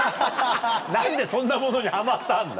何でそんなものにハマったんだ。